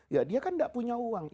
ya dia kan tidak punya uang